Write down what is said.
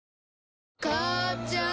母ちゃん